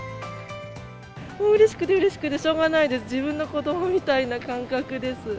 うれしくてうれしくてしょうがないです、自分の子どもみたいな感覚です。